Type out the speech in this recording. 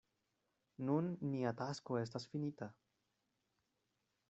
Nun nia tasko estas finita.